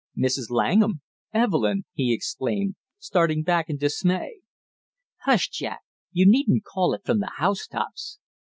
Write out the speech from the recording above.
"Mrs. Langham! Evelyn!" he exclaimed, starting back in dismay. "Hush, Jack, you needn't call it from the housetops!"